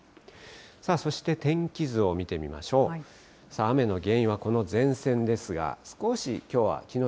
そして天気図を見てみましょう。